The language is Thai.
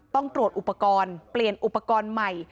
ต้องตรวจอุปกรณ์เปลี่ยนอุปกรณ์ใหม่